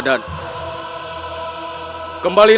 menyayangiku tinggal ini